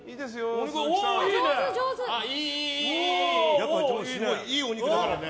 やっぱいいお肉だからね。